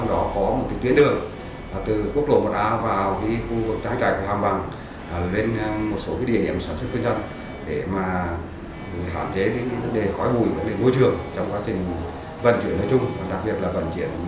lực lượng liên quan xử lý để hạn chế